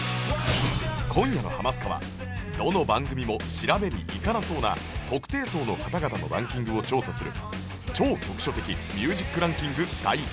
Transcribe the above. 今夜の『ハマスカ』はどの番組も調べに行かなそうな特定層の方々のランキングを調査する超局所的ミュージックランキング第３弾